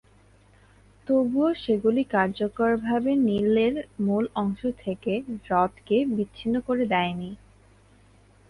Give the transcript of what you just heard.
তবুও সেগুলি কার্যকরভাবে নীলের মূল অংশ থেকে হ্রদকে বিচ্ছিন্ন করে দেয়নি।